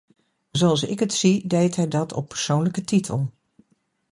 Zoals ik het zie, deed hij dat op persoonlijke titel.